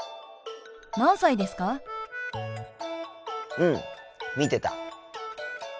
うん見てた。